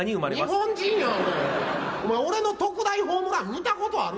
日本人や、お前、俺の特大ホームラン見たことある？